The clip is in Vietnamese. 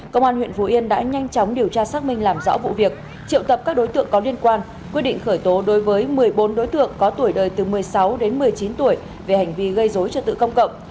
công an huyện phủ yên đã nhanh chóng điều tra xác minh làm rõ vụ việc triệu tập các đối tượng có liên quan quyết định khởi tố đối với một mươi bốn đối tượng có tuổi đời từ một mươi sáu đến một mươi chín tuổi về hành vi gây dối trật tự công cộng